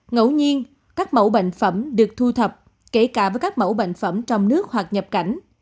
ngẫu nhiên các mẫu bệnh phẩm được thu thập kể cả với các mẫu bệnh phẩm trong nước hoặc nhập cảnh